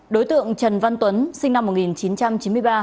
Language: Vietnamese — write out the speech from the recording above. đối tượng trần văn tuấn sinh năm một nghìn chín trăm chín mươi ba